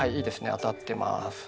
当たってます。